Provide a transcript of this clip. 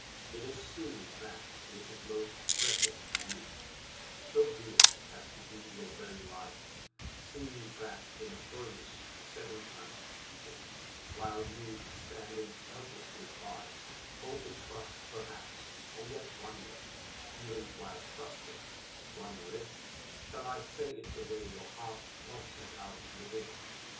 It is seeing that which is most precious to you, so dear as to be your very life, seeing that in a furnace, seven times heated, while you, standing helplessly by, hope and trust perhaps, and yet wonder, even while trusting, wonder if (shall I say it the way your heart talks it out within?)